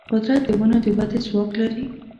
قدرت د ونو د ودې ځواک لري.